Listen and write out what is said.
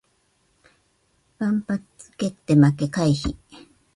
万発捲って負け回避